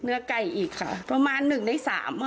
เนื้อไก่อีกค่ะประมาณหนึ่งในสามค่ะ